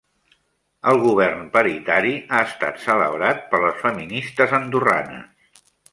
El govern paritari ha estat celebrat per les feministes andorranes